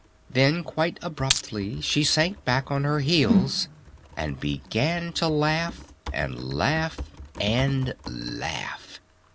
Then quite abruptly she sank back on her heels and began to laugh and laugh and laugh.